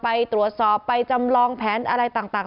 ไปตรวจสอบไปจำลองแผนอะไรต่าง